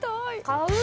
買う